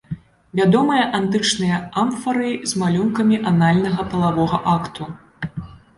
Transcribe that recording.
Вядомыя антычныя амфары з малюнкамі анальнага палавога акту.